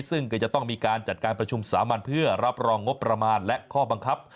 ซึ่งก็จะต้องมีการจัดการประชุมสามัญเพื่อรับรองงบประมาณและข้อบังคับ